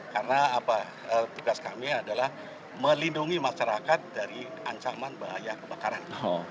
karena tugas kami adalah melindungi masyarakat dari ancaman bahaya kebakaran